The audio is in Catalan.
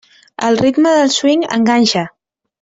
El ritme del swing enganxa.